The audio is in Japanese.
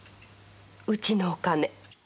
うちのお金。